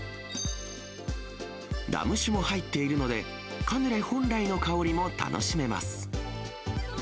ラム酒も入っているので、カヌレ本来の香りも楽しめます。